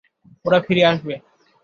ওরা ফিরে আসবে।